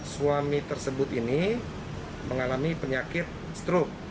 suami tersebut ini mengalami penyakit stroke